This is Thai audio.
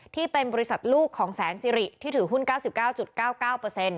ที่เป็นบริษัทลูกของแสนสิริที่ถือหุ้น๙๙๙๙๙